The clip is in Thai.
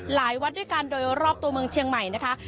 วัดด้วยกันโดยรอบตัวเมืองเชียงใหม่นะคะ